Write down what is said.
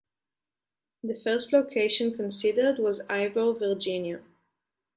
The first location considered was in Ivor, Virginia.